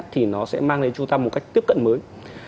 thì nó sẽ mang đến chúng ta một cách tiếp cận mới